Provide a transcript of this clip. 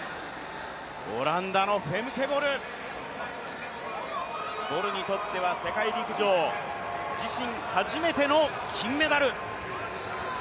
オランダのフェムケ・ボルにとっては世界陸上、自身初めての金メダル。